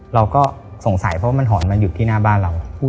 เราก็สงสัยเพราะว่ามันหอนมันหยุดที่หน้าบ้านเรา